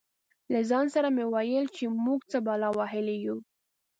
له ځان سره مې ویل چې موږ څه بلا وهلي یو.